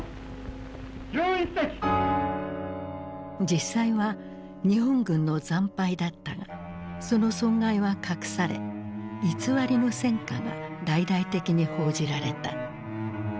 実際は日本軍の惨敗だったがその損害は隠され偽りの戦果が大々的に報じられた。